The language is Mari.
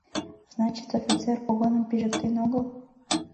— Значит, офицер погоным пижыктен огыл?